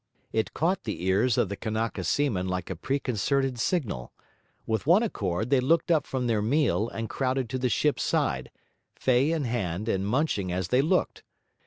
It caught the ears of the Kanaka seamen like a preconcerted signal; with one accord they looked up from their meal and crowded to the ship's side, fei in hand and munching as they looked.